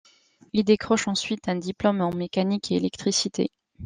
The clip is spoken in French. Il décroche ensuite un diplôme en mécanique et électricité.